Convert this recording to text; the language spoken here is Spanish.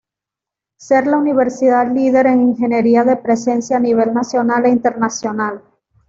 Ser la universidad líder en ingeniería de presencia a nivel nacional e internacional.